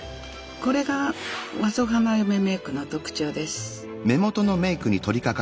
これが和装花嫁メイクの特徴です。